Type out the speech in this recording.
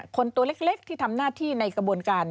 ตัวเล็กที่ทำหน้าที่ในกระบวนการ